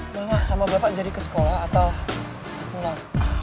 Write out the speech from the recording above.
bapak sama bapak jadi ke sekolah atau pulang